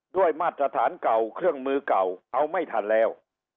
มาตรฐานเก่าเครื่องมือเก่าเอาไม่ทันแล้ว